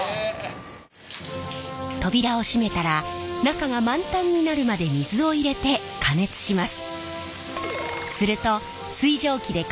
扉を閉めたら中が満タンになるまで水を入れて加熱します。